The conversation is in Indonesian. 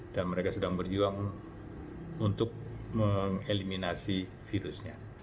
dan mereka sedang berjuang untuk mengeliminasi virusnya